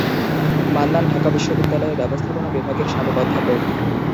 মান্নান ঢাকা বিশ্ববিদ্যালয়ের ব্যবস্থাপনা বিভাগের সাবেক অধ্যাপক।